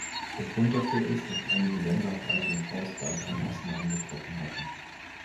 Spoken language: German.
Der Grund dafür ist, dass einige Länder auf eigene Faust weitere Maßnahmen getroffen hatten.